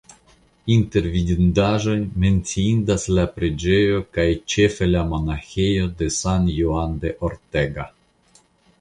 Inter vidindaĵoj menciindas la preĝejoj kaj ĉefe la monaĥejo de San Juan de Ortega.